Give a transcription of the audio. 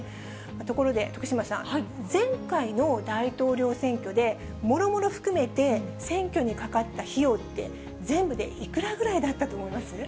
ところで、徳島さん、前回の大統領選挙で、もろもろ含めて選挙にかかった費用って、全部でいくらぐらいだったと思います？